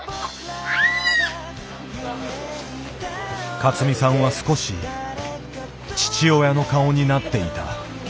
勝美さんは少し父親の顔になっていた。